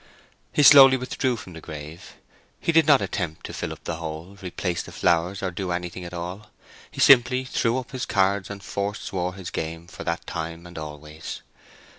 He slowly withdrew from the grave. He did not attempt to fill up the hole, replace the flowers, or do anything at all. He simply threw up his cards and forswore his game for that time and always.